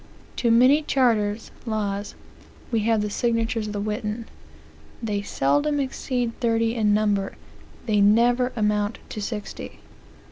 To many charters (laws) we have the signatures of the Witan. They seldom exceed thirty in number; they never amount to sixty."